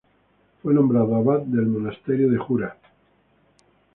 Fue nombrado abad del monasterio de Jura.